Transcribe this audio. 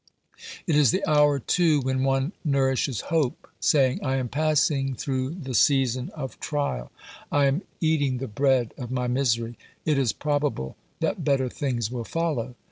It is the hour too when one nourishes hope, saying : I am passing through the season of trial, I am I04 OBERMANN eating the bread of my misery ; it is probable that better things will follow.